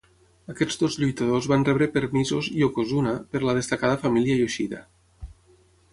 Aquests dos lluitadors van rebre permisos "yokozuna" per la destacada família Yoshida.